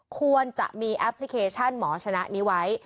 ควรจะมีแอปพลิเคชันหมอชนะนี้ไว้